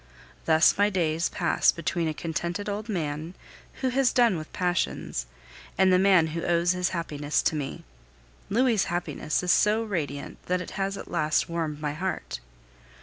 Thus my days pass between a contented old man, who has done with passions, and the man who owes his happiness to me. Louis' happiness is so radiant that it has at last warmed my heart.